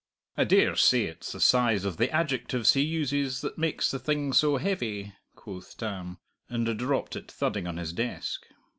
I dare say it's the size of the adjectives he uses that makes the thing so heavy," quoth Tam, and dropped it thudding on his desk.